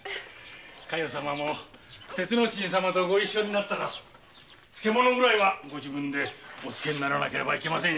加代様も鉄之進様とご一緒になったら漬物ぐらいはご自分でお漬けにならないといけません。